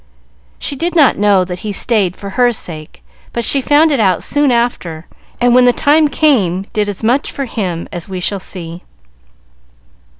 She did not know then that he stayed for her sake, but she found it out soon after, and when the time came did as much for him, as we shall see.